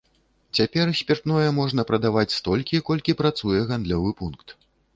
Цяпер спіртное можна прадаваць столькі, колькі працуе гандлёвы пункт.